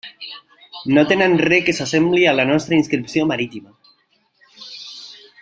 No tenen res que s'assembli a la nostra inscripció marítima.